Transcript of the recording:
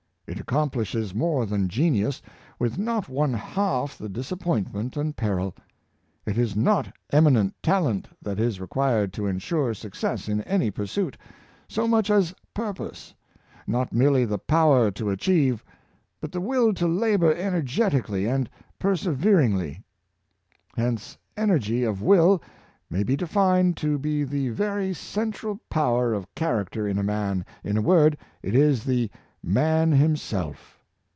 It accomplishes more than genius, with not one half the disappointment and peril. It is not eminent talent that is required to insure success in any pursuit, so much as purpose — not merely the power to achieve, but the will to labor energetically and perseveringly. Hence ener gy of will may be defined to be the very central power of character in a man — in a word, it is tbe Man him self.